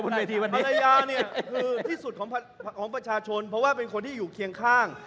ภรรยานี่คือที่สุดของวันนี้เป็นคนที่อยู่เคียงข้าง